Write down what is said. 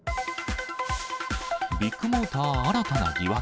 ビッグモーター新たな疑惑。